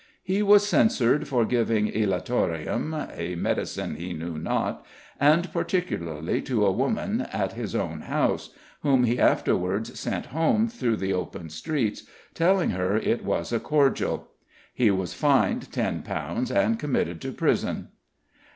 He was censured for giving elatorium (a medicine he knew not), and particularly to a woman at his own house, whom he afterwards sent home through the open streets, telling her it was a cordial. He was fined £10 and committed to prison."